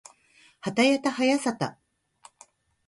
はたやたはやさた